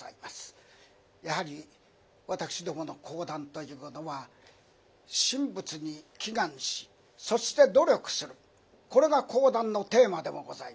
やはり私どもの講談というのは神仏に祈願しそして努力するこれが講談のテーマでもございます。